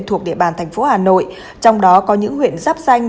thuộc địa bàn tp hcm trong đó có những huyện giáp danh